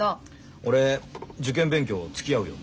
俺受験勉強つきあうよ。